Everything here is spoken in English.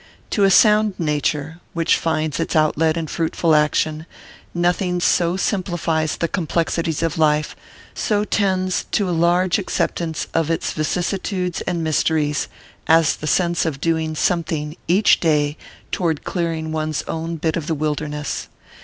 To a sound nature, which finds its outlet in fruitful action, nothing so simplifies the complexities of life, so tends to a large acceptance of its vicissitudes and mysteries, as the sense of doing something each day toward clearing one's own bit of the wilderness.